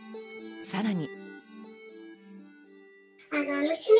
さらに。